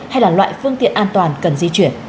hay là loại phương tiện an toàn cần di chuyển